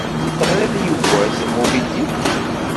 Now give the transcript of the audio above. Teɣṛiḍ yewwas "Moby Dick"?